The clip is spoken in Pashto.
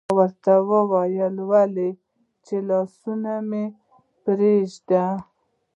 ما ورته وویل: ولې؟ چې لاسونه مې راپرېږدي.